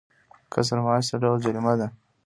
کسر معاش څه ډول جریمه ده؟